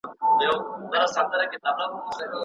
هغه جام به خاوري وي چي زه یې نڅولی یم.